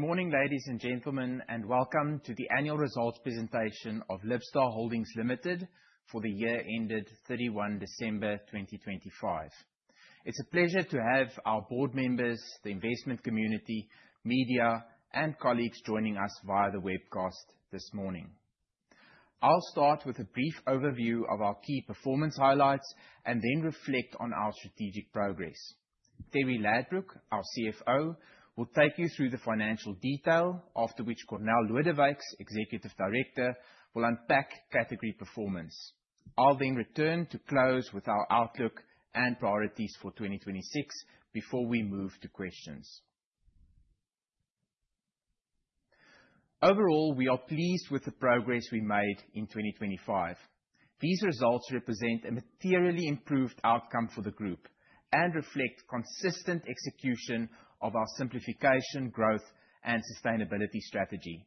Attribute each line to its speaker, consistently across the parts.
Speaker 1: Good morning, ladies and gentlemen, welcome to the Annual Results Presentation of Libstar Holdings Limited for the year ended 31 December 2025. It's a pleasure to have our board members, the investment community, media, and colleagues joining us via the webcast this morning. I'll start with a brief overview of our key performance highlights and then reflect on our strategic progress. Terri Ladbrooke, our CFO, will take you through the financial detail, after which Cornél Lodewyks, Executive Director, will unpack category performance. I'll then return to close with our outlook and priorities for 2026 before we move to questions. Overall, we are pleased with the progress we made in 2025. These results represent a materially improved outcome for the group and reflect consistent execution of our simplification, growth, and sustainability strategy.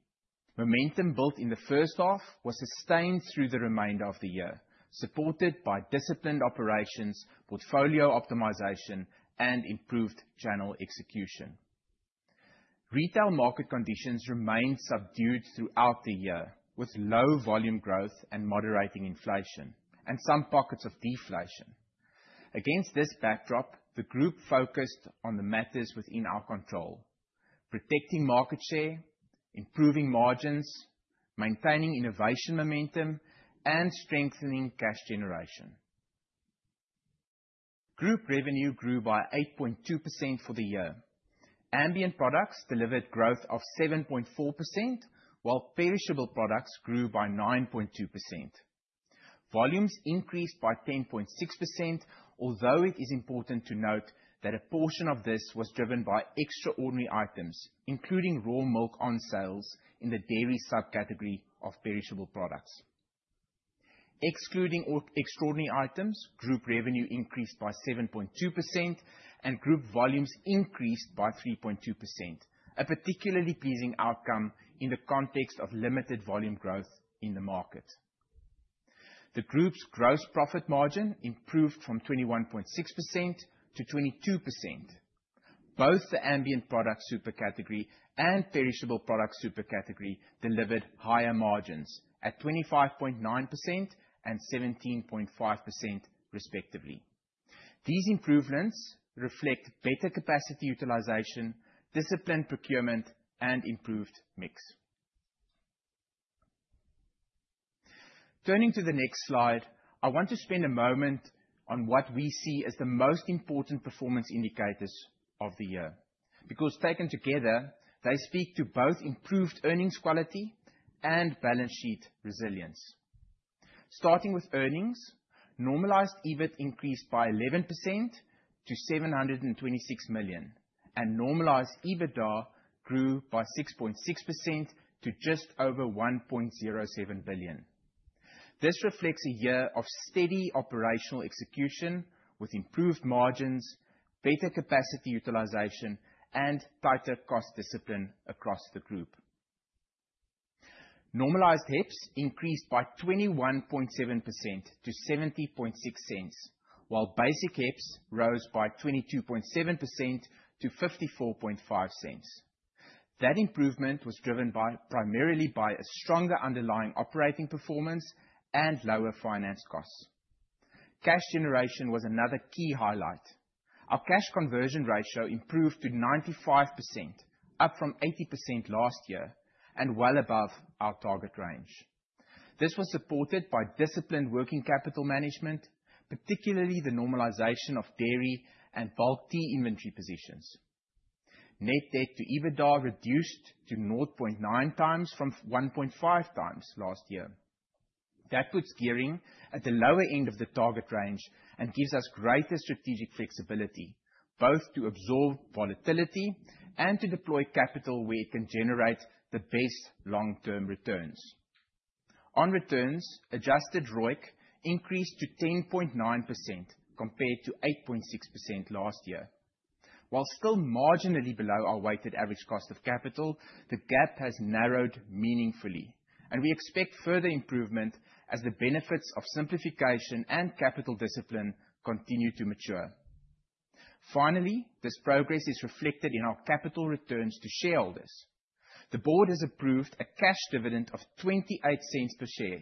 Speaker 1: Momentum built in the first half was sustained through the remainder of the year, supported by disciplined operations, portfolio optimization, and improved channel execution. Retail market conditions remained subdued throughout the year, with low volume growth and moderating inflation, and some pockets of deflation. Against this backdrop, the group focused on the matters within our control: protecting market share; improving margins; maintaining innovation momentum; and strengthening cash generation. Group revenue grew by 8.2% for the year. Ambient products delivered growth of 7.4%, while perishable products grew by 9.2%. Volumes increased by 10.6%, although it is important to note that a portion of this was driven by extraordinary items, including raw milk on sales in the dairy subcategory of perishable products. Excluding extraordinary items, group revenue increased by 7.2% and group volumes increased by 3.2%, a particularly pleasing outcome in the context of limited volume growth in the market. The group's gross profit margin improved from 21.6%-22%. Both the ambient product super category and perishable product super category delivered higher margins at 25.9% and 17.5% respectively. These improvements reflect better capacity utilization, disciplined procurement, and improved mix. Turning to the next slide, I want to spend a moment on what we see as the most important performance indicators of the year, because taken together, they speak to both improved earnings quality and balance sheet resilience. Starting with earnings, normalized EBIT increased by 11% to 726 million, and normalized EBITDA grew by 6.6% to just over 1.07 billion. This reflects a year of steady operational execution with improved margins, better capacity utilization, and tighter cost discipline across the group. Normalized EPS increased by 21.7% to 0.706, while basic EPS rose by 22.7% to 0.545. That improvement was driven primarily by a stronger underlying operating performance and lower finance costs. Cash generation was another key highlight. Our cash conversion ratio improved to 95%, up from 80% last year and well above our target range. This was supported by disciplined working capital management, particularly the normalization of dairy and bulk tea inventory positions. Net debt to EBITDA reduced to 0.9x from 1.5x last year. That puts gearing at the lower end of the target range and gives us greater strategic flexibility, both to absorb volatility and to deploy capital where it can generate the best long-term returns. On returns, adjusted ROIC increased to 10.9% compared to 8.6% last year. While still marginally below our weighted average cost of capital, the gap has narrowed meaningfully, and we expect further improvement as the benefits of simplification and capital discipline continue to mature. Finally, this progress is reflected in our capital returns to shareholders. The board has approved a cash dividend of 0.28 per share,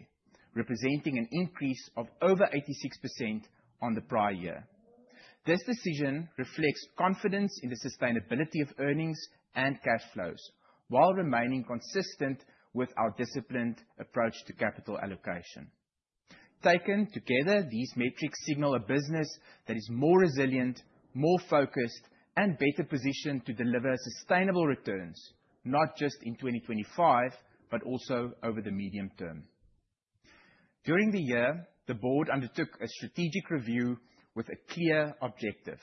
Speaker 1: representing an increase of over 86% on the prior year. This decision reflects confidence in the sustainability of earnings and cash flows while remaining consistent with our disciplined approach to capital allocation. Taken together, these metrics signal a business that is more resilient, more focused, and better positioned to deliver sustainable returns, not just in 2025, but also over the medium term. During the year, the board undertook a strategic review with a clear objective: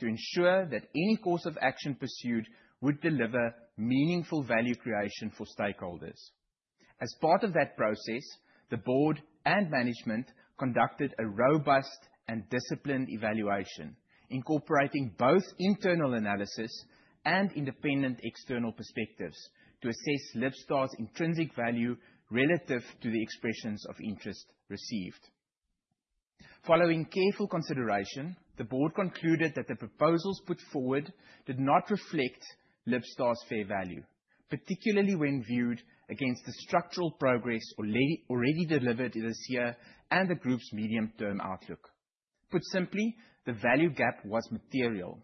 Speaker 1: to ensure that any course of action pursued would deliver meaningful value creation for stakeholders. As part of that process, the board and management conducted a robust and disciplined evaluation, incorporating both internal analysis and independent external perspectives to assess Libstar's intrinsic value relative to the expressions of interest received. Following careful consideration, the board concluded that the proposals put forward did not reflect Libstar's fair value, particularly when viewed against the structural progress already delivered this year and the group's medium-term outlook. Put simply, the value gap was material.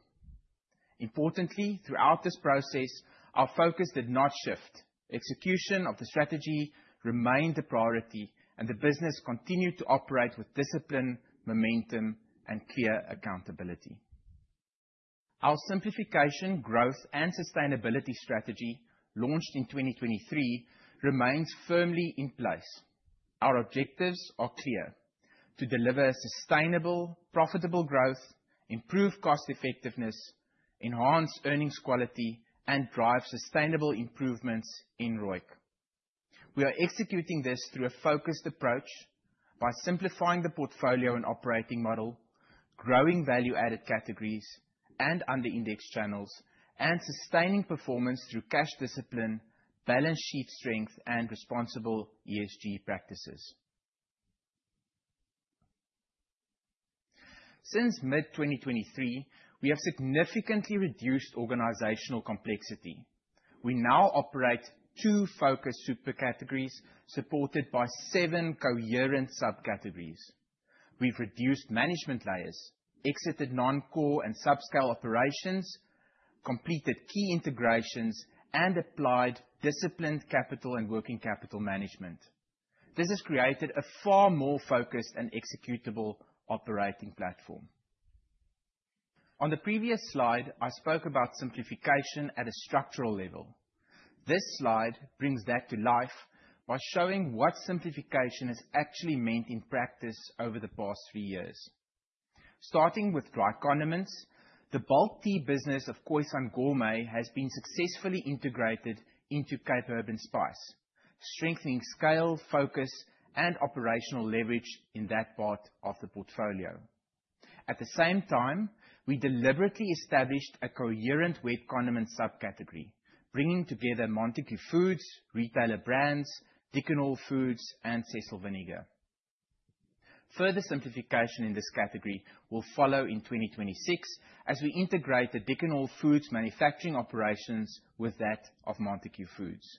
Speaker 1: Importantly, throughout this process, our focus did not shift. Execution of the strategy remained a priority and the business continued to operate with discipline, momentum, and clear accountability. Our simplification, growth, and sustainability strategy, launched in 2023, remains firmly in place. Our objectives are clear: to deliver sustainable, profitable growth, improve cost effectiveness, enhance earnings quality, and drive sustainable improvements in ROIC. We are executing this through a focused approach by simplifying the portfolio and operating model, growing value-added categories and under-indexed channels, and sustaining performance through cash discipline, balance sheet strength, and responsible ESG practices. Since mid-2023, we have significantly reduced organizational complexity. We now operate two focused super categories supported by seven coherent subcategories. We've reduced management layers, exited non-core and subscale operations, completed key integrations, and applied disciplined capital and working capital management. This has created a far more focused and executable operating platform. On the previous slide, I spoke about simplification at a structural level. This slide brings that to life by showing what simplification has actually meant in practice over the past three years. Starting with dry condiments, the bulk tea business of Khoisan Gourmet has been successfully integrated into Cape Herb & Spice, strengthening scale, focus, and operational leverage in that part of the portfolio. At the same time, we deliberately established a coherent wet condiment subcategory, bringing together Montagu Snacks, retailer brands, Dickon Hall Foods, and Cecil Vinegar. Further simplification in this category will follow in 2026 as we integrate the Dickon Hall Foods manufacturing operations with that of Montagu Snacks.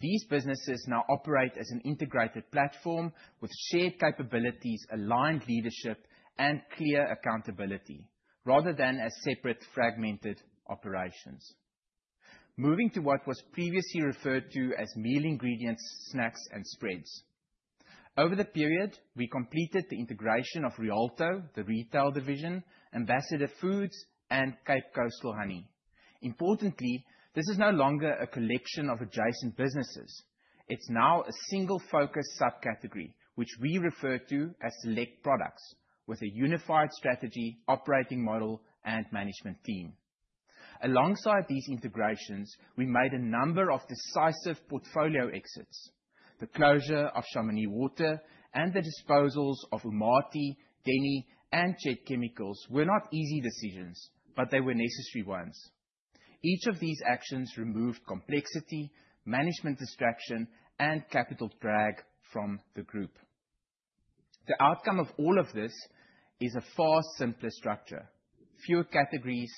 Speaker 1: These businesses now operate as an integrated platform with shared capabilities, aligned leadership, and clear accountability, rather than as separate fragmented operations. Moving to what was previously referred to as meal ingredients, snacks, and spreads. Over the period, we completed the integration of Rialto, the retail division, Ambassador Foods, and Cape Coastal Honey. Importantly, this is no longer a collection of adjacent businesses. It's now a single focus subcategory, which we refer to as select products with a unified strategy, operating model, and management team. Alongside these integrations, we made a number of decisive portfolio exits. The closure of Chamonix Water and the disposals of Umatie, Denny, and Chet Chemicals were not easy decisions. They were necessary ones. Each of these actions removed complexity, management distraction, and capital drag from the group. The outcome of all of this is a far simpler structure, fewer categories,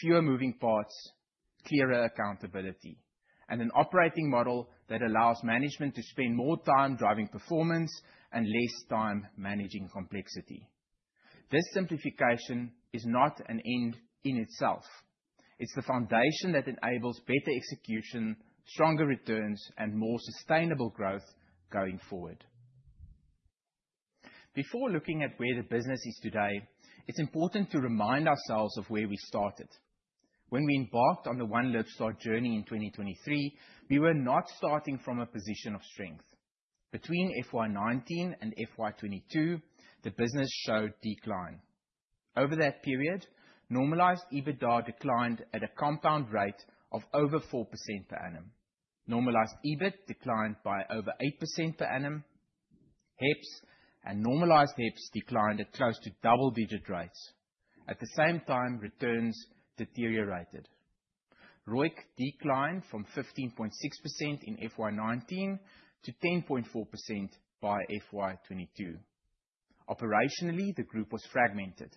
Speaker 1: fewer moving parts, clearer accountability, and an operating model that allows management to spend more time driving performance and less time managing complexity. This simplification is not an end in itself. It's the foundation that enables better execution, stronger returns, and more sustainable growth going forward. Before looking at where the business is today, it's important to remind ourselves of where we started. When we embarked on the One Libstar journey in 2023, we were not starting from a position of strength. Between FY 2019 and FY 2022, the business showed decline. Over that period, normalized EBITDA declined at a compound rate of over 4% per annum. Normalized EBIT declined by over 8% per annum. HEPS and normalized HEPS declined at close to double-digit rates. At the same time, returns deteriorated. ROIC declined from 15.6% in FY 2019 to 10.4% by FY 2022. Operationally, the group was fragmented.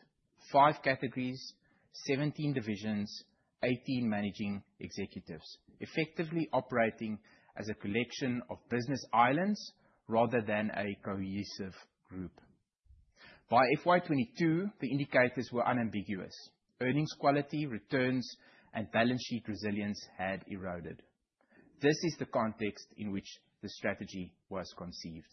Speaker 1: Five categories, 17 divisions, 18 managing executives, effectively operating as a collection of business islands rather than a cohesive group. By FY 2022, the indicators were unambiguous. Earnings quality, returns, and balance sheet resilience had eroded. This is the context in which the strategy was conceived.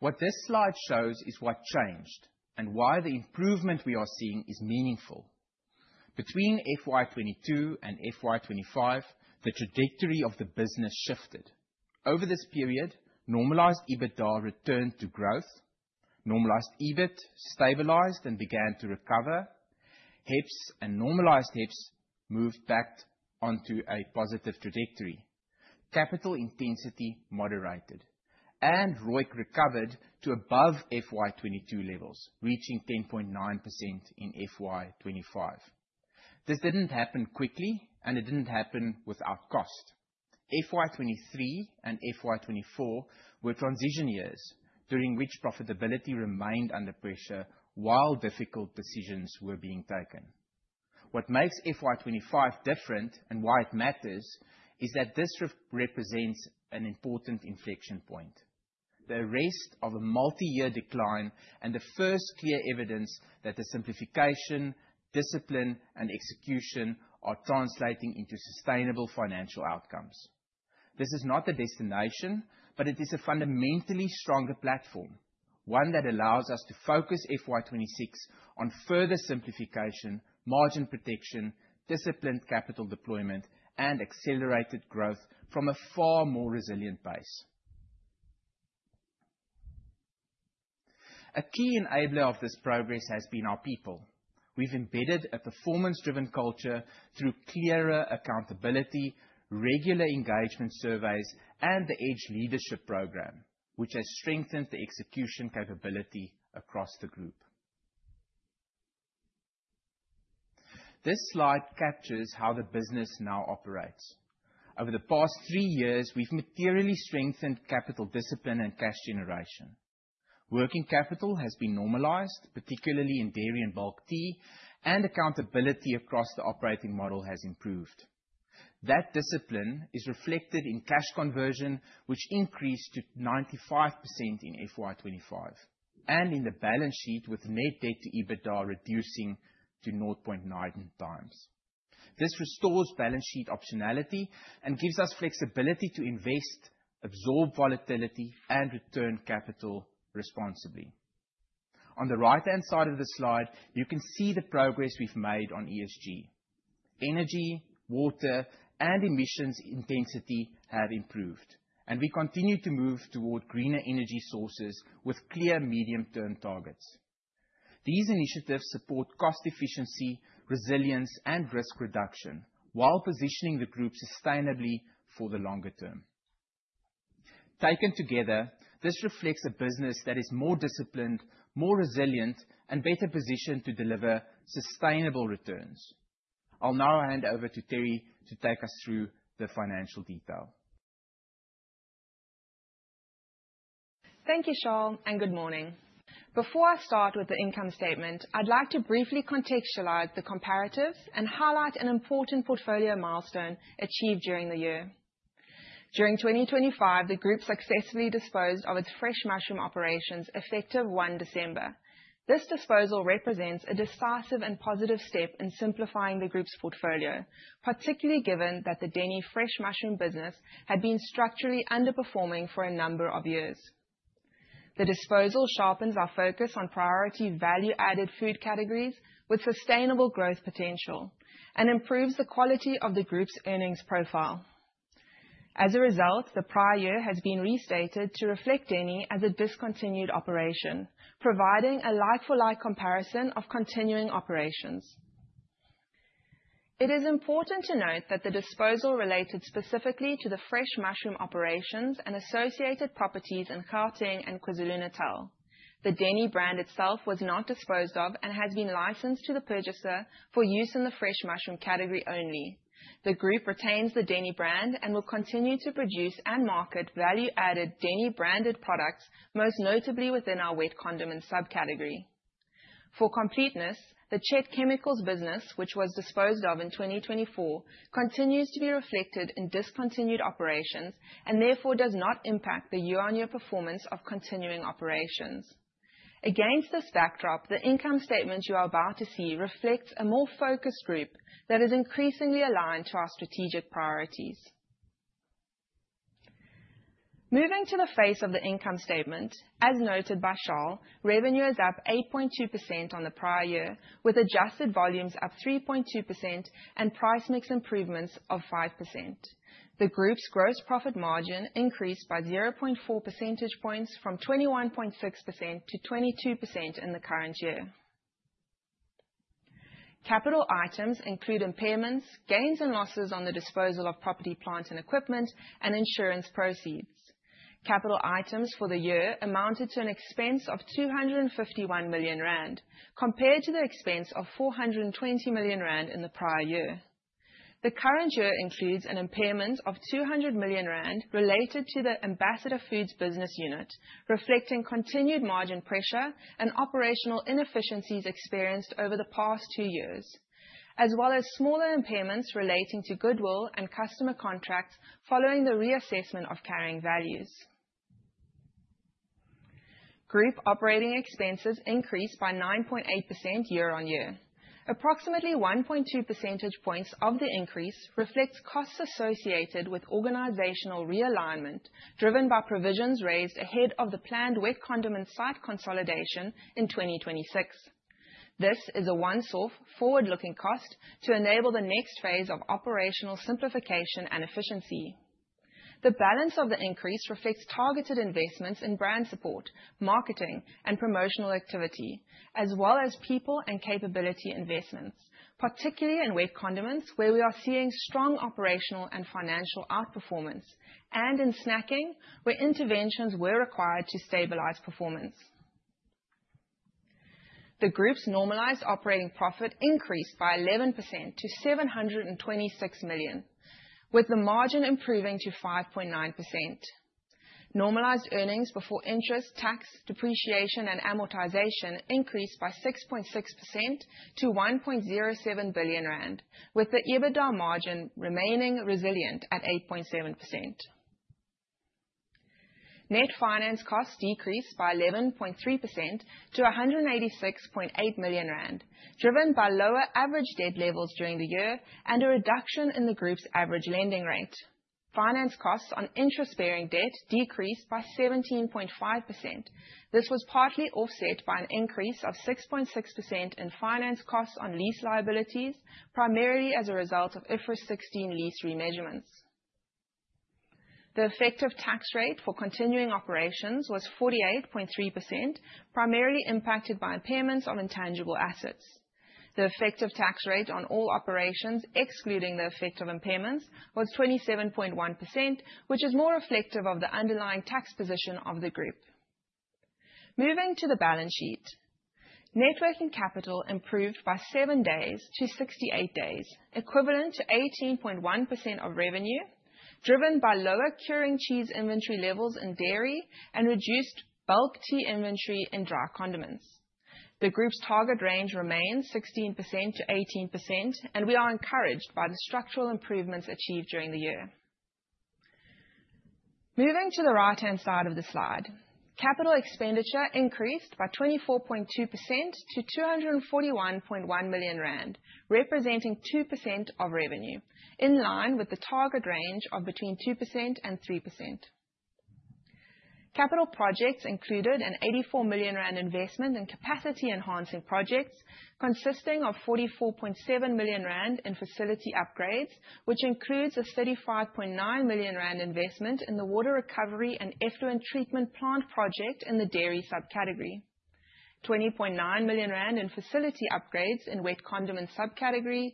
Speaker 1: What this slide shows is what changed and why the improvement we are seeing is meaningful. Between FY 2022 and FY 2025, the trajectory of the business shifted. Over this period, normalized EBITDA returned to growth, normalized EBIT stabilized and began to recover, HEPS and normalized HEPS moved back onto a positive trajectory, capital intensity moderated, and ROIC recovered to above FY 2022 levels, reaching 10.9% in FY 2025. This didn't happen quickly, and it didn't happen without cost. FY 2023 and FY 2024 were transition years during which profitability remained under pressure while difficult decisions were being taken. What makes FY 2025 different, and why it matters, is that this represents an important inflection point, the reset of a multi-year decline and the first clear evidence that the simplification, discipline, and execution are translating into sustainable financial outcomes. This is not a destination. It is a fundamentally stronger platform, one that allows us to focus FY 2026 on further simplification, margin protection, disciplined capital deployment, and accelerated growth from a far more resilient base. A key enabler of this progress has been our people. We've embedded a performance-driven culture through clearer accountability, regular engagement surveys, and the Edge Leadership program, which has strengthened the execution capability across the group. This slide captures how the business now operates. Over the past three years, we've materially strengthened capital discipline and cash generation. Working capital has been normalized, particularly in dairy and bulk tea, and accountability across the operating model has improved. That discipline is reflected in cash conversion, which increased to 95% in FY 2025, and in the balance sheet with net debt to EBITDA reducing to 0.9x. This restores balance sheet optionality and gives us flexibility to invest, absorb volatility, and return capital responsibly. On the right-hand side of the slide, you can see the progress we've made on ESG. Energy, water, and emissions intensity have improved, we continue to move toward greener energy sources with clear medium-term targets. These initiatives support cost efficiency, resilience, and risk reduction while positioning the group sustainably for the longer term. Taken together, this reflects a business that is more disciplined, more resilient, and better positioned to deliver sustainable returns. I'll now hand over to Terri to take us through the financial detail.
Speaker 2: Thank you, Charl, good morning. Before I start with the income statement, I'd like to briefly contextualize the comparatives and highlight an important portfolio milestone achieved during the year. During 2025, the group successfully disposed of its fresh mushroom operations effective 1 December. This disposal represents a decisive and positive step in simplifying the group's portfolio, particularly given that the Denny fresh mushroom business had been structurally underperforming for a number of years. The disposal sharpens our focus on priority value-added food categories with sustainable growth potential and improves the quality of the group's earnings profile. As a result, the prior year has been restated to reflect Denny as a discontinued operation, providing a like-for-like comparison of continuing operations. It is important to note that the disposal related specifically to the fresh mushroom operations and associated properties in Gauteng and KwaZulu-Natal. The Denny brand itself was not disposed of and has been licensed to the purchaser for use in the fresh mushroom category only. The group retains the Denny brand and will continue to produce and market value-added Denny-branded products, most notably within our wet condiment subcategory. For completeness, the Chet Chemicals business, which was disposed of in 2024, continues to be reflected in discontinued operations and therefore does not impact the year-on-year performance of continuing operations. Against this backdrop, the income statement you are about to see reflects a more focused group that is increasingly aligned to our strategic priorities. Moving to the face of the income statement. As noted by Charl, revenue is up 8.2% on the prior year, with adjusted volumes up 3.2% and price mix improvements of 5%. The group's gross profit margin increased by 0.4 percentage points from 21.6%-22% in the current year. Capital items include impairments, gains and losses on the disposal of property, plant, and equipment, insurance proceeds. Capital items for the year amounted to an expense of 251 million rand, compared to the expense of 420 million rand in the prior year. The current year includes an impairment of 200 million rand related to the Ambassador Foods business unit, reflecting continued margin pressure and operational inefficiencies experienced over the past two years, as well as smaller impairments relating to goodwill and customer contracts following the reassessment of carrying values. Group operating expenses increased by 9.8% year-on-year. Approximately 1.2 percentage points of the increase reflects costs associated with organizational realignment driven by provisions raised ahead of the planned wet condiment site consolidation in 2026. This is a once-off forward-looking cost to enable the next phase of operational simplification and efficiency. The balance of the increase reflects targeted investments in brand support, marketing, and promotional activity, as well as people and capability investments, particularly in wet condiments, where we are seeing strong operational and financial outperformance, and in snacking, where interventions were required to stabilize performance. The group's normalized operating profit increased by 11% to 726 million, with the margin improving to 5.9%. Normalized earnings before interest, tax, depreciation, and amortization increased by 6.6% to 1.07 billion rand, with the EBITDA margin remaining resilient at 8.7%. Net finance costs decreased by 11.3% to 186.8 million rand, driven by lower average debt levels during the year and a reduction in the group's average lending rate. Finance costs on interest-bearing debt decreased by 17.5%. This was partly offset by an increase of 6.6% in finance costs on lease liabilities, primarily as a result of IFRS 16 lease remeasurements. The effective tax rate for continuing operations was 48.3%, primarily impacted by impairments of intangible assets. The effective tax rate on all operations, excluding the effect of impairments, was 27.1%, which is more reflective of the underlying tax position of the group. Moving to the balance sheet. Net working capital improved by seven days-68 days, equivalent to 18.1% of revenue, driven by lower curing cheese inventory levels in dairy and reduced bulk tea inventory in dry condiments. The group's target range remains 16%-18%, and we are encouraged by the structural improvements achieved during the year. Moving to the right-hand side of the slide. Capital expenditure increased by 24.2% to 241.1 million rand, representing 2% of revenue, in line with the target range of between 2% and 3%. Capital projects included an 84 million rand investment in capacity-enhancing projects, consisting of 44.7 million rand in facility upgrades, which includes a 35.9 million rand investment in the water recovery and effluent treatment plant project in the dairy subcategory, 20.9 million rand in facility upgrades in wet condiments subcategory,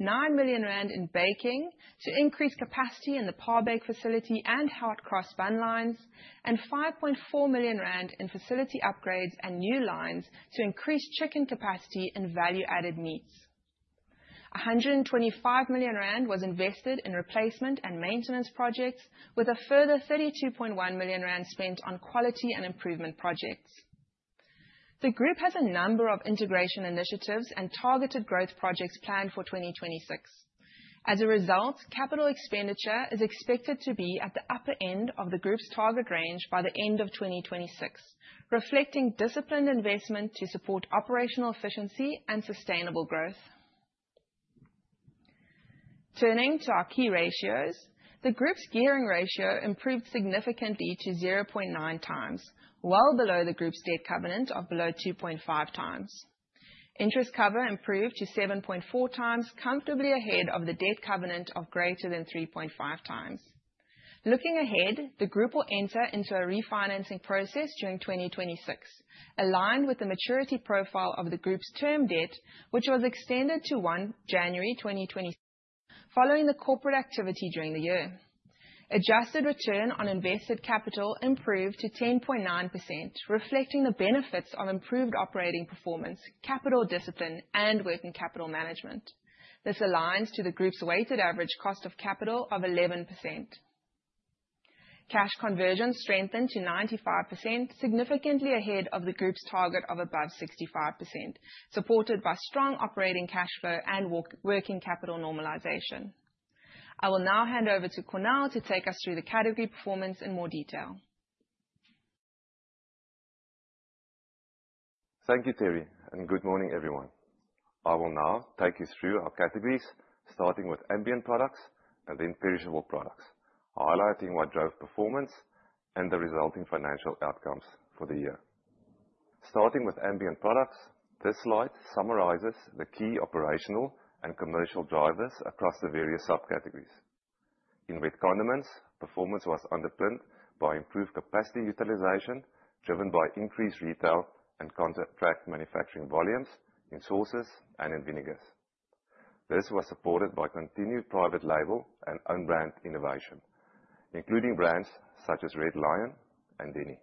Speaker 2: 9 million rand in baking to increase capacity in the Parbake facility and Hot Cross bun lines, and 5.4 million rand in facility upgrades and new lines to increase chicken capacity and value-added meats. 125 million rand was invested in replacement and maintenance projects, with a further 32.1 million rand spent on quality and improvement projects. The group has a number of integration initiatives and targeted growth projects planned for 2026. As a result, capital expenditure is expected to be at the upper end of the group's target range by the end of 2026, reflecting disciplined investment to support operational efficiency and sustainable growth. Turning to our key ratios. The group's gearing ratio improved significantly to 0.9x, well below the group's debt covenant of below 2.5x. Interest cover improved to 7.4x, comfortably ahead of the debt covenant of greater than 3.5x. Looking ahead, the group will enter into a refinancing process during 2026, aligned with the maturity profile of the group's term debt, which was extended to 1 January 2020, following the corporate activity during the year. Adjusted return on invested capital improved to 10.9%, reflecting the benefits of improved operating performance, capital discipline, and working capital management. This aligns to the group's weighted average cost of capital of 11%. Cash conversion strengthened to 95%, significantly ahead of the group's target of above 65%, supported by strong operating cash flow and working capital normalization. I will now hand over to Cornél to take us through the category performance in more detail.
Speaker 3: Thank you, Terri, good morning, everyone. I will now take you through our categories, starting with ambient products and then perishable products, highlighting what drove performance and the resulting financial outcomes for the year. Starting with ambient products, this slide summarizes the key operational and commercial drivers across the various subcategories. In wet condiments, performance was underpinned by improved capacity utilization, driven by increased retail and contract manufacturing volumes in sauces and in vinegars. This was supported by continued private label and own brand innovation, including brands such as Red Lion and Denny.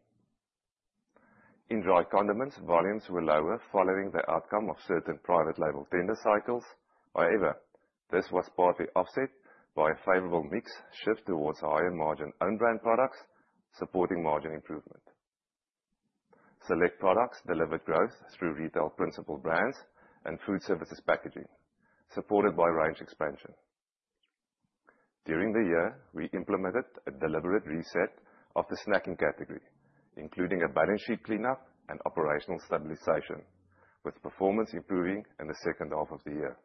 Speaker 3: In dry condiments, volumes were lower following the outcome of certain private label tender cycles. However, this was partly offset by a favorable mix shift towards higher margin own brand products, supporting margin improvement. select products delivered growth through retail principal brands and food services packaging, supported by range expansion. During the year, we implemented a deliberate reset of the snacking category, including a balance sheet cleanup and operational stabilization, with performance improving in the second half of the year.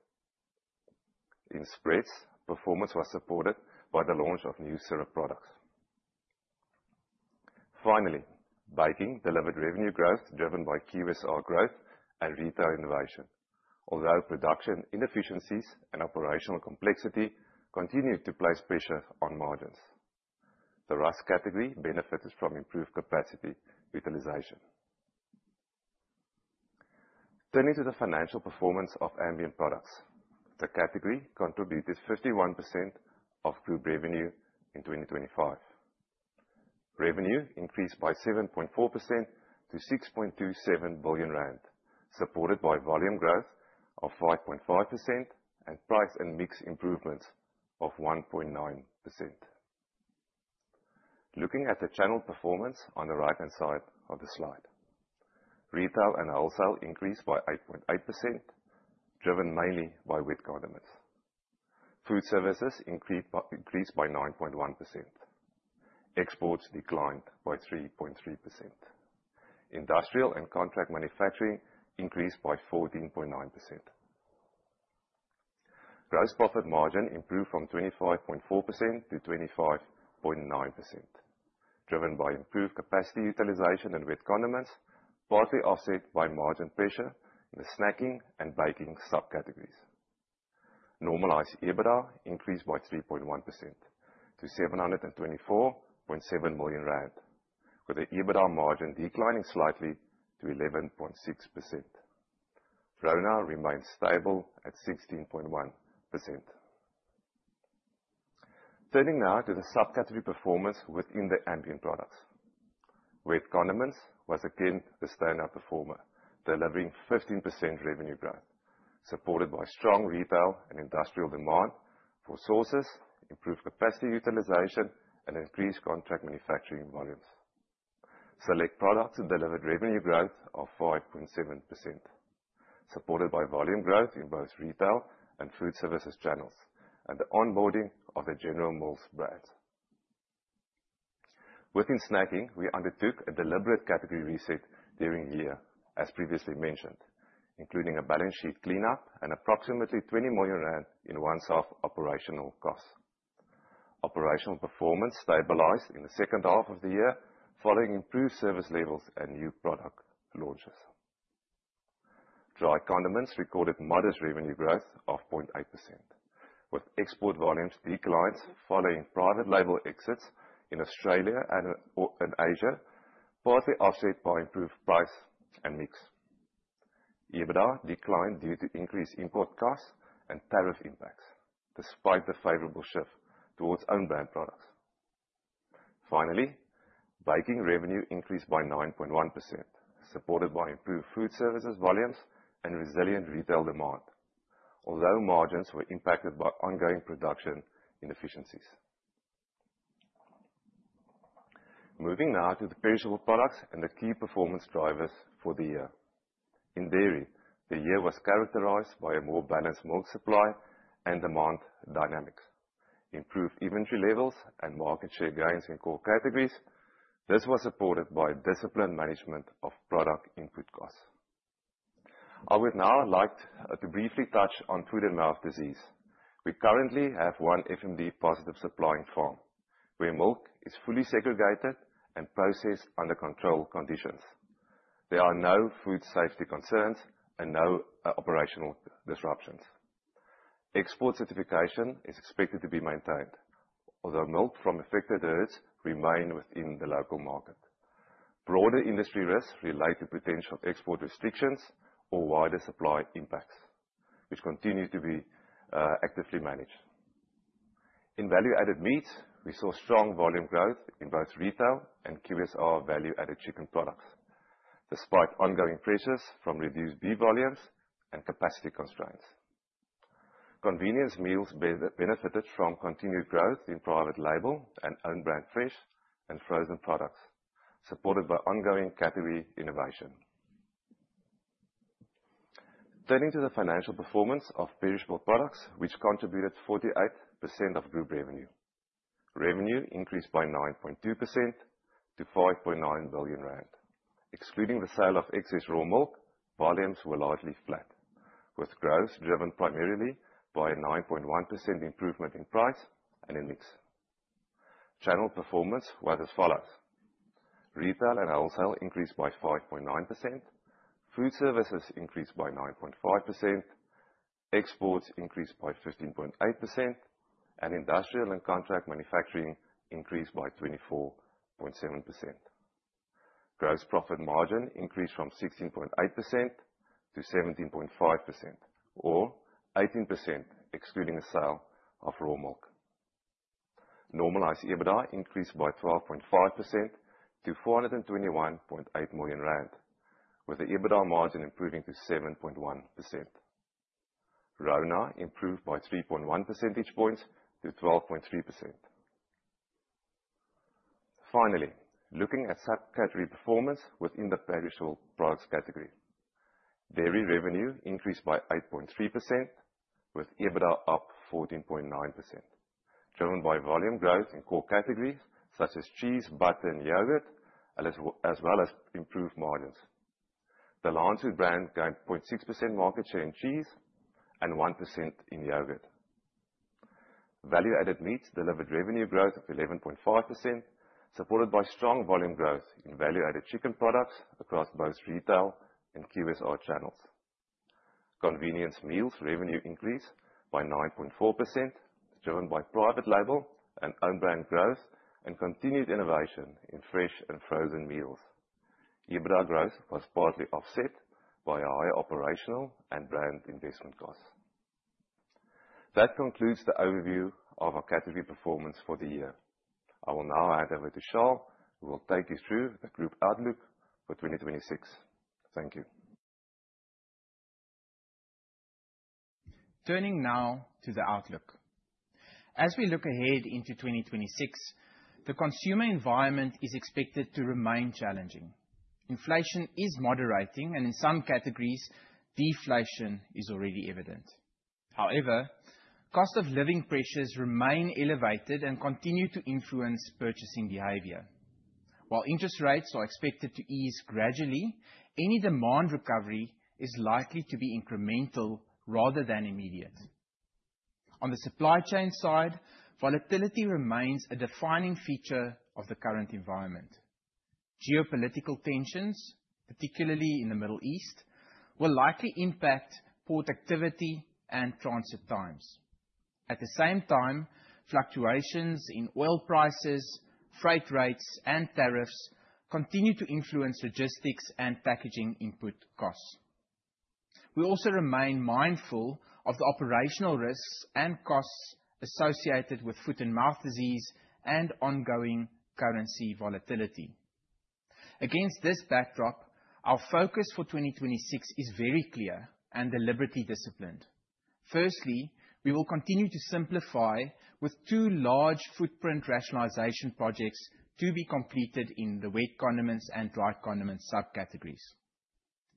Speaker 3: In spreads, performance was supported by the launch of new syrup products. Finally, baking delivered revenue growth driven by QSR growth and retail innovation. Although production inefficiencies and operational complexity continued to place pressure on margins. The Rusk category benefited from improved capacity utilization. Turning to the financial performance of ambient products. The category contributed 51% of group revenue in 2025. Revenue increased by 7.4% to 6.27 billion rand, supported by volume growth of 5.5% and price and mix improvements of 1.9%. Looking at the channel performance on the right-hand side of the slide. Retail and wholesale increased by 8.8%, driven mainly by wet condiments. Food services increased by 9.1%. Exports declined by 3.3%. Industrial and contract manufacturing increased by 14.9%. Gross profit margin improved from 25.4%-25.9%, driven by improved capacity utilization in wet condiments, partly offset by margin pressure in the snacking and baking subcategories. Normalized EBITDA increased by 3.1% to 724.7 million rand, with the EBITDA margin declining slightly to 11.6%. RONA remains stable at 16.1%. Turning now to the subcategory performance within the ambient products. Wet condiments was again the standout performer, delivering 15% revenue growth, supported by strong retail and industrial demand for sauces, improved capacity utilization, and increased contract manufacturing volumes. Select products delivered revenue growth of 5.7%, supported by volume growth in both retail and food services channels, and the onboarding of the General Mills brands. Within snacking, we undertook a deliberate category reset during the year, as previously mentioned, including a balance sheet cleanup and approximately 20 million rand in one-off operational costs. Operational performance stabilized in the second half of the year following improved service levels and new product launches. Dry condiments recorded modest revenue growth of 0.8%, with export volumes declines following private label exits in Australia and Asia, partly offset by improved price and mix. EBITDA declined due to increased import costs and tariff impacts, despite the favorable shift towards own brand products. Finally, baking revenue increased by 9.1%, supported by improved food services volumes and resilient retail demand. Although margins were impacted by ongoing production inefficiencies. Moving now to the perishable products and the key performance drivers for the year. In dairy, the year was characterized by a more balanced milk supply and demand dynamics, improved inventory levels, and market share gains in core categories. This was supported by a disciplined management of product input costs. I would now like to briefly touch on Foot-and-Mouth Disease. We currently have one FMD positive supplying farm, where milk is fully segregated and processed under controlled conditions. There are no food safety concerns and no operational disruptions. Export certification is expected to be maintained, although milk from affected herds remain within the local market. Broader industry risks relate to potential export restrictions or wider supply impacts, which continue to be actively managed. In value-added meats, we saw strong volume growth in both retail and QSR value-added chicken products, despite ongoing pressures from reduced bee volumes and capacity constraints. Convenience meals benefited from continued growth in private label and own brand fresh and frozen products, supported by ongoing category innovation. Turning to the financial performance of perishable products, which contributed 48% of group revenue. Revenue increased by 9.2% to 5.9 billion rand. Excluding the sale of excess raw milk, volumes were largely flat, with growth driven primarily by a 9.1% improvement in price and in mix. Channel performance was as follows: retail and wholesale increased by 5.9%, food services increased by 9.5%, exports increased by 15.8%, and industrial and contract manufacturing increased by 24.7%. Gross profit margin increased from 16.8%-17.5%, or 18% excluding the sale of raw milk. Normalized EBITDA increased by 12.5% to 421.8 million rand, with the EBITDA margin improving to 7.1%. RONA improved by 3.1 percentage points to 12.3%. Finally, looking at subcategory performance within the perishable products category. Dairy revenue increased by 8.3%, with EBITDA up 14.9%, driven by volume growth in core categories such as cheese, butter, and yogurt, as well as improved margins. The Lancewood brand gained 0.6% market share in cheese and 1% in yogurt. Value-added meats delivered revenue growth of 11.5%, supported by strong volume growth in value-added chicken products across both retail and QSR channels. Convenience meals revenue increased by 9.4%, driven by private label and own brand growth, and continued innovation in fresh and frozen meals. EBITDA growth was partly offset by higher operational and brand investment costs. That concludes the overview of our category performance for the year. I will now hand over to Charl, who will take you through the group outlook for 2026. Thank you.
Speaker 1: Turning now to the outlook. As we look ahead into 2026, the consumer environment is expected to remain challenging. Inflation is moderating, and in some categories deflation is already evident. However, cost of living pressures remain elevated and continue to influence purchasing behavior. While interest rates are expected to ease gradually, any demand recovery is likely to be incremental rather than immediate. On the supply chain side, volatility remains a defining feature of the current environment. Geopolitical tensions, particularly in the Middle East, will likely impact port activity and transit times. At the same time, fluctuations in oil prices, freight rates, and tariffs continue to influence logistics and packaging input costs. We also remain mindful of the operational risks and costs associated with Foot-and-Mouth Disease and ongoing currency volatility. Against this backdrop, our focus for 2026 is very clear and deliberately disciplined. Firstly, we will continue to simplify with two large footprint rationalization projects to be completed in the wet condiments and dry condiments subcategories.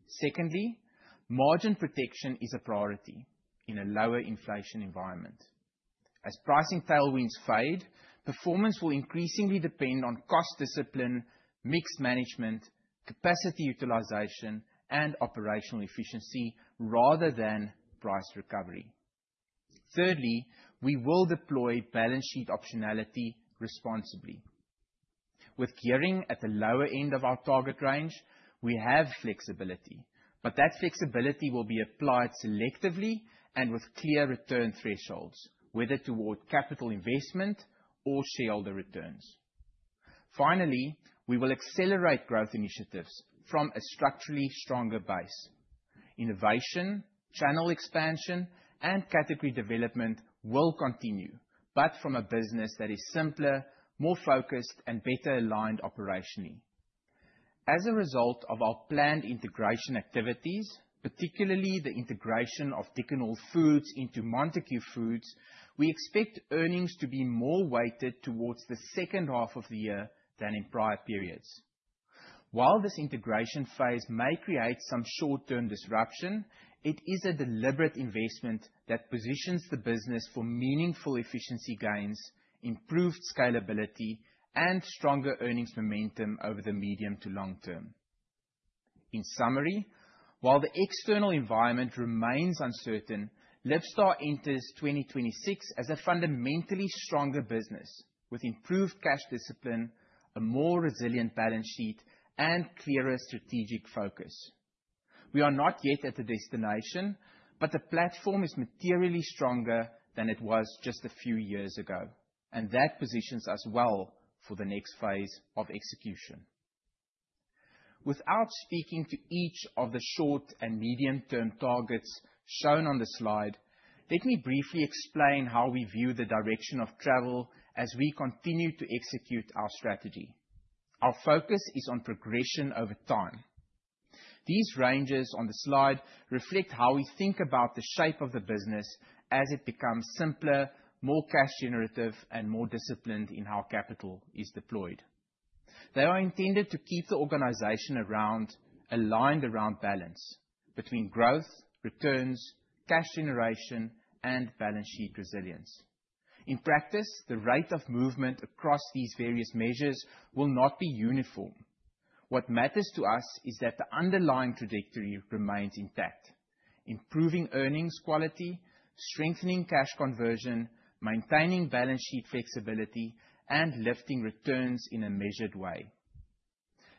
Speaker 1: Secondly, margin protection is a priority in a lower inflation environment. As pricing tailwinds fade, performance will increasingly depend on cost discipline, mixed management, capacity utilization, and operational efficiency rather than price recovery. Thirdly, we will deploy balance sheet optionality responsibly. With gearing at the lower end of our target range, we have flexibility, but that flexibility will be applied selectively and with clear return thresholds, whether toward capital investment or shareholder returns. Finally, we will accelerate growth initiatives from a structurally stronger base. Innovation, channel expansion, and category development will continue, but from a business that is simpler, more focused, and better aligned operationally. As a result of our planned integration activities, particularly the integration of Dickon Hall Foods into Montagu Snacks, we expect earnings to be more weighted towards the second half of the year than in prior periods. While this integration phase may create some short-term disruption, it is a deliberate investment that positions the business for meaningful efficiency gains, improved scalability, and stronger earnings momentum over the medium to long term. In summary, while the external environment remains uncertain, Libstar enters 2026 as a fundamentally stronger business with improved cash discipline, a more resilient balance sheet, and clearer strategic focus. We are not yet at the destination, but the platform is materially stronger than it was just a few years ago, and that positions us well for the next phase of execution. Without speaking to each of the short and medium-term targets shown on the slide, let me briefly explain how we view the direction of travel as we continue to execute our strategy. Our focus is on progression over time. These ranges on the slide reflect how we think about the shape of the business as it becomes simpler, more cash generative, and more disciplined in how capital is deployed. They are intended to keep the organization aligned around balance between growth, returns, cash generation, and balance sheet resilience. In practice, the rate of movement across these various measures will not be uniform. What matters to us is that the underlying trajectory remains intact, improving earnings quality, strengthening cash conversion, maintaining balance sheet flexibility, and lifting returns in a measured way.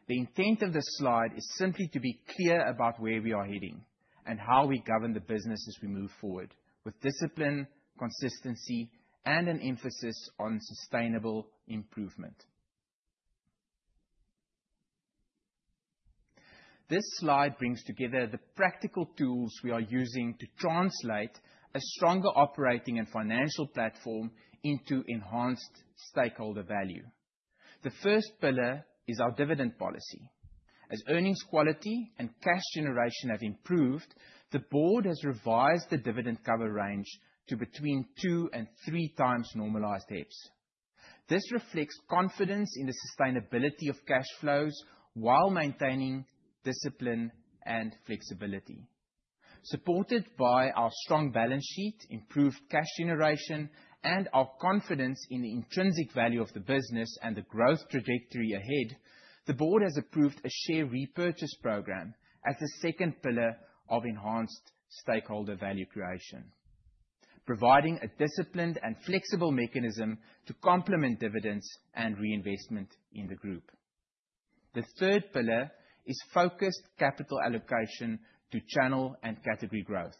Speaker 1: The intent of this slide is simply to be clear about where we are heading and how we govern the business as we move forward with discipline, consistency, and an emphasis on sustainable improvement. This slide brings together the practical tools we are using to translate a stronger operating and financial platform into enhanced stakeholder value. The first pillar is our dividend policy. As earnings quality and cash generation have improved, the board has revised the dividend cover range to between 2x and 3x normalized EPS. This reflects confidence in the sustainability of cash flows while maintaining discipline and flexibility. Supported by our strong balance sheet, improved cash generation, and our confidence in the intrinsic value of the business and the growth trajectory ahead, the board has approved a share repurchase program as the second pillar of enhanced stakeholder value creation, providing a disciplined and flexible mechanism to complement dividends and reinvestment in the group. The third pillar is focused capital allocation to channel and category growth.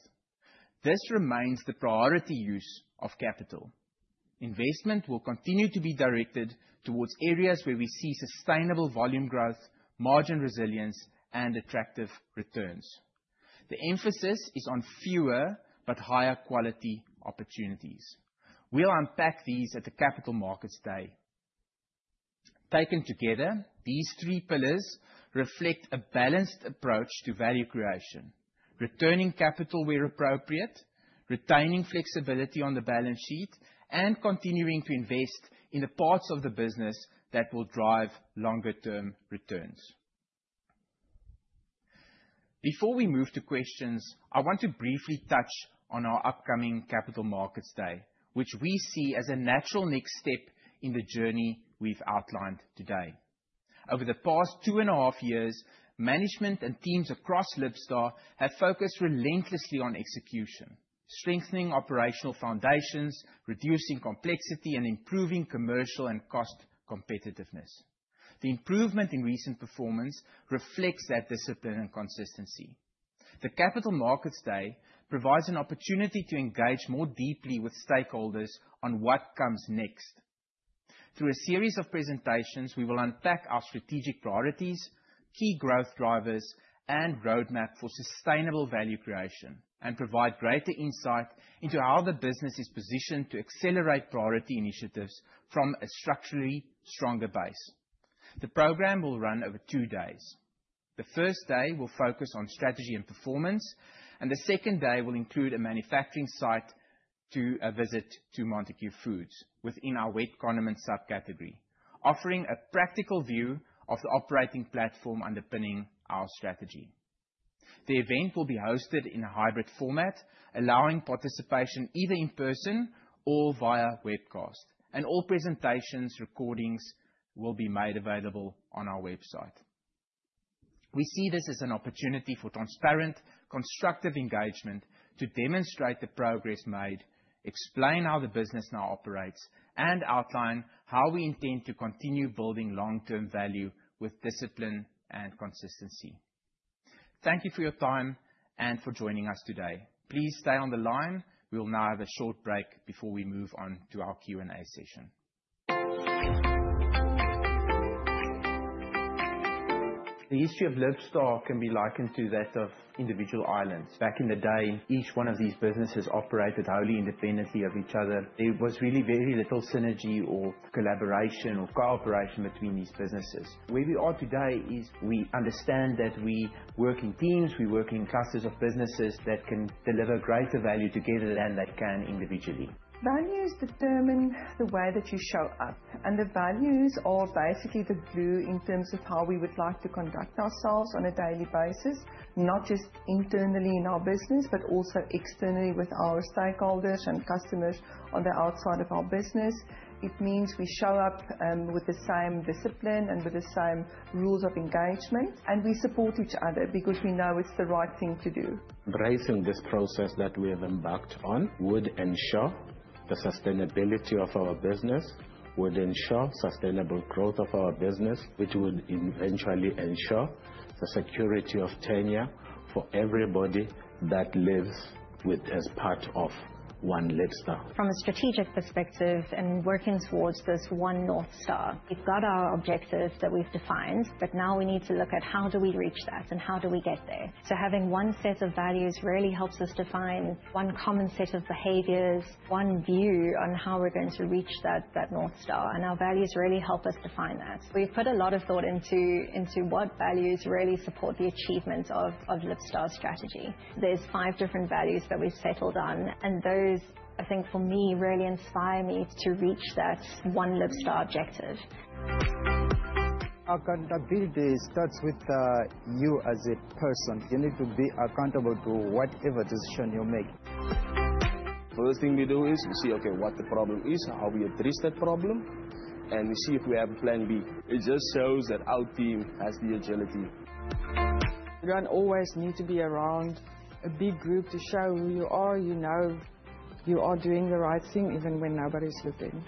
Speaker 1: This remains the priority use of capital. Investment will continue to be directed towards areas where we see sustainable volume growth, margin resilience, and attractive returns. The emphasis is on fewer but higher quality opportunities. We'll unpack these at the Capital Markets Day. Taken together, these three pillars reflect a balanced approach to value creation, returning capital where appropriate, retaining flexibility on the balance sheet, and continuing to invest in the parts of the business that will drive longer-term returns. Before we move to questions, I want to briefly touch on our upcoming Capital Markets Day, which we see as a natural next step in the journey we've outlined today. Over the past two and a half years, management and teams across Libstar have focused relentlessly on execution, strengthening operational foundations, reducing complexity, and improving commercial and cost competitiveness. The improvement in recent performance reflects that discipline and consistency. The Capital Markets Day provides an opportunity to engage more deeply with stakeholders on what comes next. Through a series of presentations, we will unpack our strategic priorities, key growth drivers, and roadmap for sustainable value creation, and provide greater insight into how the business is positioned to accelerate priority initiatives from a structurally stronger base. The program will run over two days. The first day will focus on strategy and performance, and the second day will include a manufacturing site to a visit to Montagu Foods within our wet condiment subcategory, offering a practical view of the operating platform underpinning our strategy. The event will be hosted in a hybrid format, allowing participation either in person or via webcast, and all presentations recordings will be made available on our website. We see this as an opportunity for transparent, constructive engagement to demonstrate the progress made, explain how the business now operates, and outline how we intend to continue building long-term value with discipline and consistency. Thank you for your time and for joining us today. Please stay on the line. We'll now have a short break before we move on to our Q&A session.
Speaker 4: The history of Libstar can be likened to that of individual islands. Back in the day, each one of these businesses operated wholly independently of each other. There was really very little synergy or collaboration or cooperation between these businesses. Where we are today is we understand that we work in teams, we work in clusters of businesses that can deliver greater value together than they can individually.
Speaker 5: Values determine the way that you show up. The values are basically the glue in terms of how we would like to conduct ourselves on a daily basis, not just internally in our business, but also externally with our stakeholders and customers on the outside of our business. It means we show up with the same discipline and with the same rules of engagement. We support each other because we know it's the right thing to do.
Speaker 6: Embracing this process that we have embarked on would ensure the sustainability of our business, would ensure sustainable growth of our business, which would eventually ensure the security of tenure for everybody that lives as part of One Libstar.
Speaker 7: From a strategic perspective and working towards this One North Star, we've got our objectives that we've defined. Now we need to look at how do we reach that and how do we get there. Having one set of values really helps us define one common set of behaviors, one view on how we're going to reach that North Star. Our values really help us define that. We've put a lot of thought into what values really support the achievement of Libstar's strategy. There's five different values that we've settled on. Those, I think for me, really inspire me to reach that One Libstar objective.
Speaker 8: Accountability starts with you as a person. You need to be accountable to whatever decision you make.
Speaker 9: First thing we do is we say, "Okay, what the problem is, how we address that problem, and we see if we have a plan B." It just shows that our team has the agility.
Speaker 10: You don't always need to be around a big group to show who you are. You know you are doing the right thing even when nobody's looking.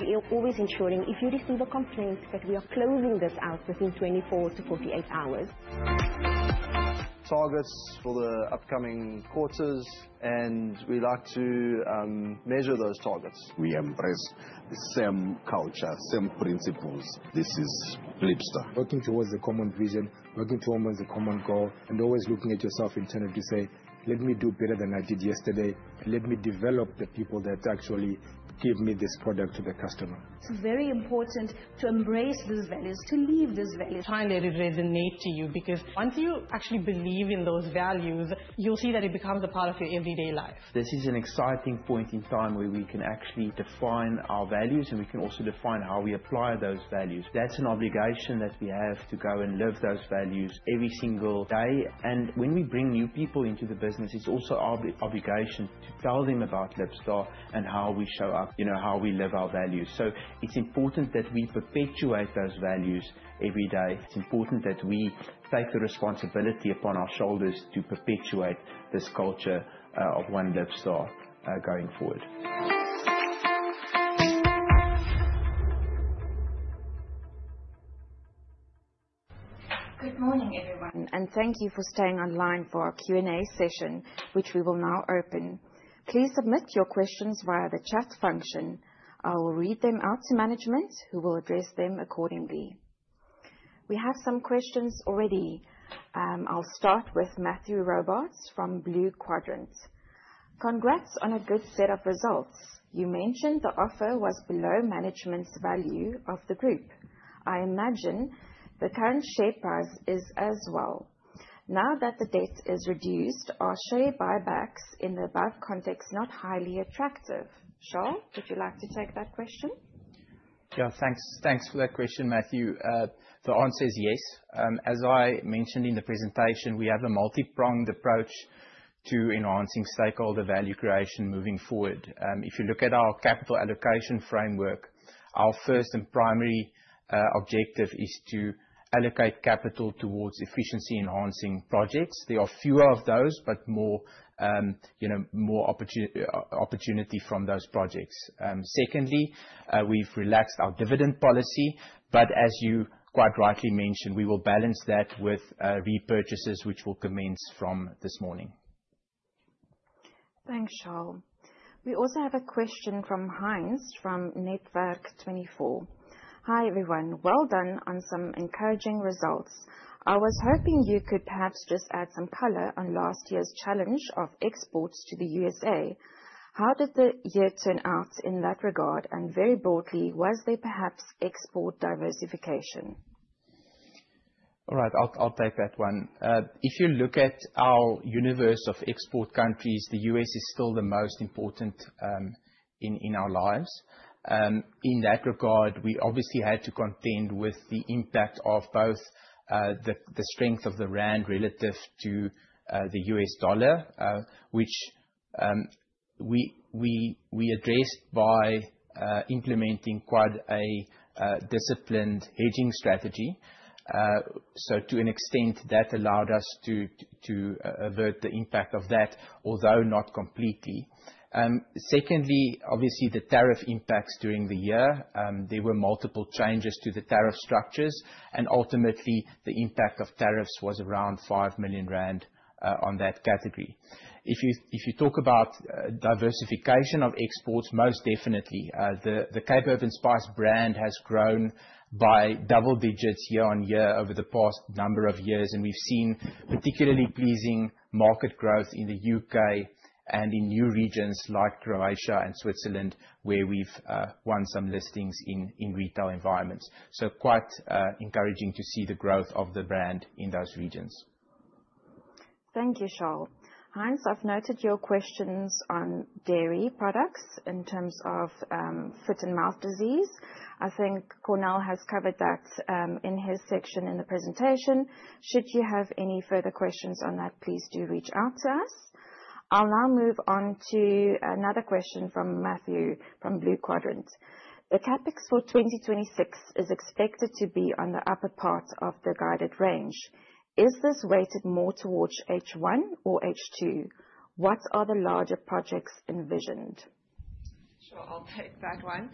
Speaker 10: We are always ensuring if you receive a complaint, that we are closing this out within 24 to 48 hours.
Speaker 11: Targets for the upcoming quarters, we like to measure those targets.
Speaker 12: We embrace the same culture, same principles. This is Libstar.
Speaker 13: Working towards a common vision, working towards a common goal, always looking at yourself internally to say, "Let me do better than I did yesterday. Let me develop the people that actually give me this product to the customer."
Speaker 14: It's very important to embrace these values, to live these values.
Speaker 15: Try let it resonate to you, because once you actually believe in those values, you'll see that it becomes a part of your everyday life.
Speaker 2: This is an exciting point in time where we can actually define our values, and we can also define how we apply those values. That's an obligation that we have to go and live those values every single day. When we bring new people into the business, it's also our obligation to tell them about Libstar and how we show up, how we live our values. It's important that we perpetuate those values every day. It's important that we take the responsibility upon our shoulders to perpetuate this culture of One Libstar going forward.
Speaker 16: Good morning, everyone, thank you for staying online for our Q&A session, which we will now open. Please submit your questions via the chat function. I will read them out to management, who will address them accordingly. We have some questions already. I'll start with Matthew Robarts from Blue Quadrant. Congrats on a good set of results. You mentioned the offer was below management's value of the group. I imagine the current share price is as well. Now that the debt is reduced, are share buybacks in the above context not highly attractive? Charl, would you like to take that question?
Speaker 1: Thanks for that question, Matthew. The answer is yes. As I mentioned in the presentation, we have a multi-pronged approach to enhancing stakeholder value creation moving forward. If you look at our capital allocation framework, our first and primary objective is to allocate capital towards efficiency enhancing projects. There are fewer of those, but more opportunity from those projects. Secondly, we've relaxed our dividend policy, but as you quite rightly mentioned, we will balance that with repurchases, which will commence from this morning.
Speaker 16: Thanks, Charl. We also have a question from Heinz, from Netwerk24. Hi, everyone. Well done on some encouraging results. I was hoping you could perhaps just add some color on last year's challenge of exports to the USA. How did the year turn out in that regard, and very broadly, was there perhaps export diversification?
Speaker 1: All right. I'll take that one. If you look at our universe of export countries, the U.S. is still the most important in our lives. In that regard, we obviously had to contend with the impact of both the strength of the ZAR relative to the U.S. dollar, which we addressed by implementing quite a disciplined hedging strategy. To an extent, that allowed us to avert the impact of that, although not completely. Secondly, obviously, the tariff impacts during the year. There were multiple changes to the tariff structures, and ultimately the impact of tariffs was around 5 million rand on that category. If you talk about diversification of exports, most definitely. The Cape Herb & Spice brand has grown by double digits year-over-year over the past number of years, and we've seen particularly pleasing market growth in the U.K. and in new regions like Croatia and Switzerland, where we've won some listings in retail environments. Quite encouraging to see the growth of the brand in those regions.
Speaker 16: Thank you, Charl. Heinz, I've noted your questions on dairy products in terms of foot-and-mouth disease. I think Cornél has covered that in his section in the presentation. Should you have any further questions on that, please do reach out to us. I'll now move on to another question from Matthew from Blue Quadrant. The CapEx for 2026 is expected to be on the upper part of the guided range. Is this weighted more towards H1 or H2? What are the larger projects envisioned?
Speaker 2: Sure. I'll take that one.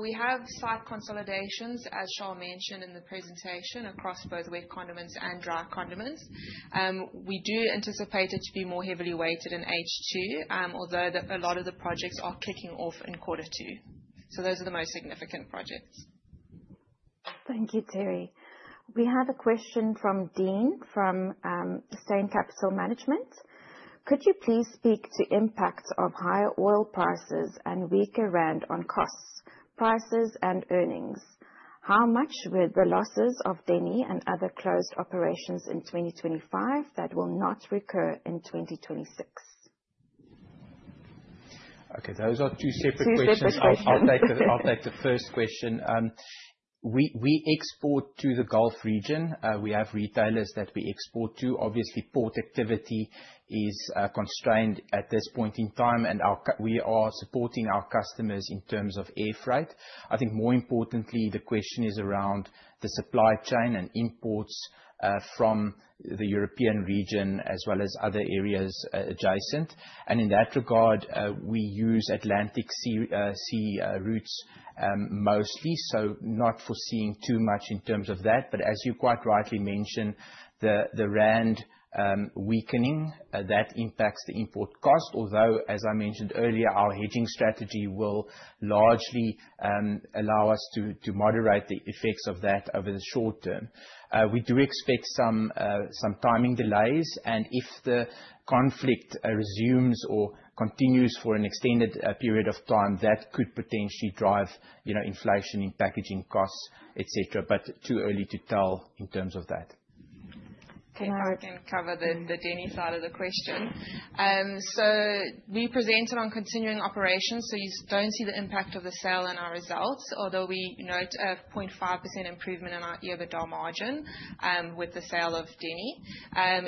Speaker 2: We have site consolidations, as Charl mentioned in the presentation, across both wet condiments and dry condiments. We do anticipate it to be more heavily weighted in H2, although a lot of the projects are kicking off in quarter two. Those are the most significant projects.
Speaker 16: Thank you, Terri. We have a question from Dean, from Steyn Capital Management. Could you please speak to impacts of higher oil prices and weaker rand on costs, prices, and earnings? How much were the losses of Denny and other closed operations in 2025 that will not recur in 2026?
Speaker 1: Okay, those are two separate questions.
Speaker 16: Two separate questions.
Speaker 1: I'll take the first question. We export to the Gulf region. We have retailers that we export to. Obviously, port activity is constrained at this point in time, and we are supporting our customers in terms of air freight. I think more importantly, the question is around the supply chain and imports from the European region, as well as other areas adjacent. In that regard, we use Atlantic sea routes mostly. Not foreseeing too much in terms of that. As you quite rightly mentioned, the rand weakening, that impacts the import cost. Although, as I mentioned earlier, our hedging strategy will largely allow us to moderate the effects of that over the short term. We do expect some timing delays, and if the conflict resumes or continues for an extended period of time, that could potentially drive inflation in packaging costs, et cetera. Too early to tell in terms of that.
Speaker 2: I can cover the Denny side of the question. We presented on continuing operations, so you don't see the impact of the sale in our results. Although we note a 0.5% improvement in our EBITDA margin with the sale of Denny.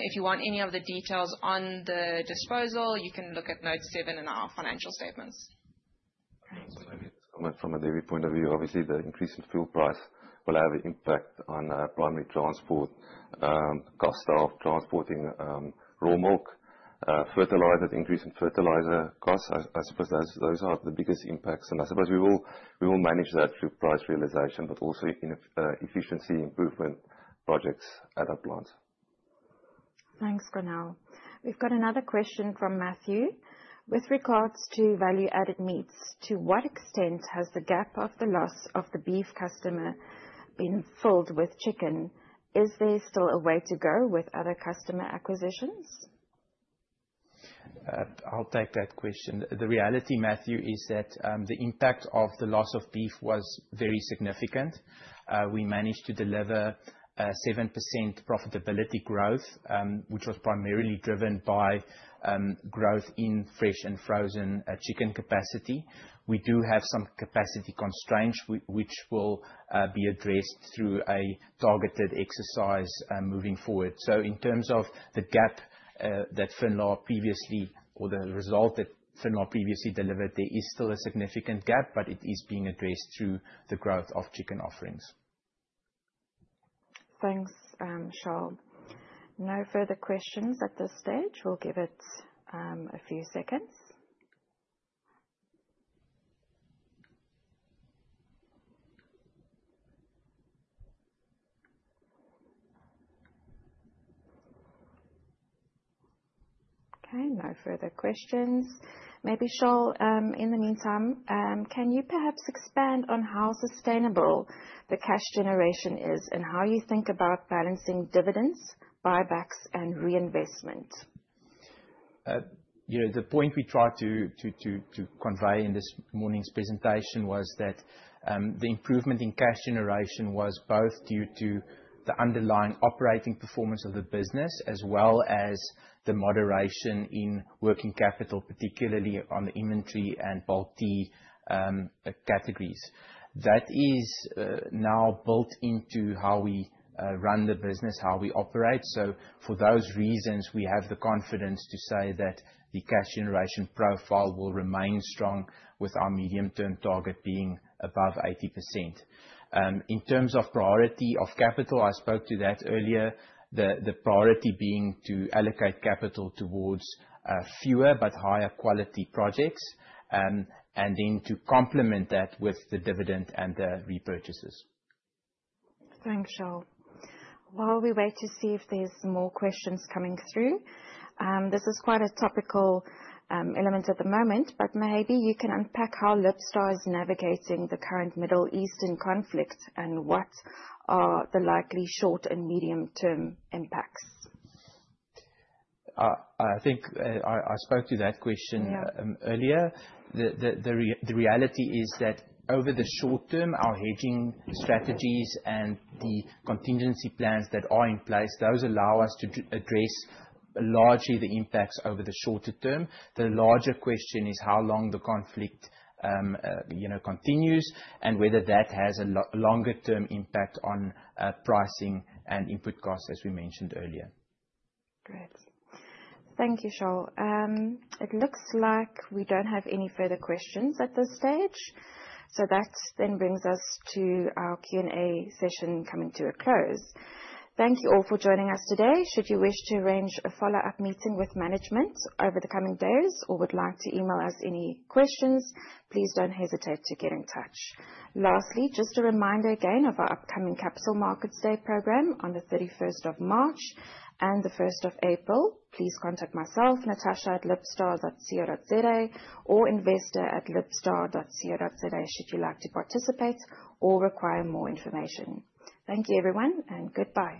Speaker 2: If you want any of the details on the disposal, you can look at note seven in our financial statements.
Speaker 3: I'll maybe comment from a dairy point of view. Obviously, the increase in fuel price will have an impact on primary transport, cost of transporting raw milk, fertilizer, increase in fertilizer costs. I suppose those are the biggest impacts, and I suppose we will manage that through price realization, but also efficiency improvement projects at our plants.
Speaker 16: Thanks, Cornél. We've got another question from Matthew. With regards to value-added meats, to what extent has the gap of the loss of the beef customer been filled with chicken? Is there still a way to go with other customer acquisitions?
Speaker 1: I'll take that question. The reality, Matthew, is that the impact of the loss of beef was very significant. We managed to deliver 7% profitability growth, which was primarily driven by growth in fresh and frozen chicken capacity. We do have some capacity constraints, which will be addressed through a targeted exercise moving forward. In terms of the result that Finlaw previously delivered, there is still a significant gap, but it is being addressed through the growth of chicken offerings.
Speaker 16: Thanks, Charl. No further questions at this stage. We'll give it a few seconds. Okay, no further questions. Charl, in the meantime, can you perhaps expand on how sustainable the cash generation is, and how you think about balancing dividends, buybacks, and reinvestment?
Speaker 1: The point we try to convey in this morning's presentation was that the improvement in cash generation was both due to the underlying operating performance of the business as well as the moderation in working capital, particularly on the inventory and bulky categories. That is now built into how we run the business, how we operate. For those reasons, we have the confidence to say that the cash generation profile will remain strong with our medium-term target being above 80%. In terms of priority of capital, I spoke to that earlier. The priority being to allocate capital towards fewer but higher quality projects. To complement that with the dividend and the repurchases.
Speaker 16: Thanks, Charl. While we wait to see if there's more questions coming through, this is quite a topical element at the moment, but maybe you can unpack how Libstar is navigating the current Middle Eastern conflict and what are the likely short and medium-term impacts.
Speaker 1: I think I spoke to that question earlier.
Speaker 16: Yeah.
Speaker 1: The reality is that over the short term, our hedging strategies and the contingency plans that are in place, those allow us to address largely the impacts over the shorter term. The larger question is how long the conflict continues and whether that has a longer-term impact on pricing and input costs, as we mentioned earlier.
Speaker 16: Great. Thank you, Charl. It looks like we don't have any further questions at this stage, That then brings us to our Q&A session coming to a close. Thank you all for joining us today. Should you wish to arrange a follow-up meeting with management over the coming days or would like to email us any questions, please don't hesitate to get in touch. Lastly, just a reminder again of our upcoming Capital Markets Day program on the 31st of March and the 1st of April. Please contact myself, natasha@libstar.co.za or investor@libstar.co.za should you like to participate or require more information. Thank you everyone, and goodbye.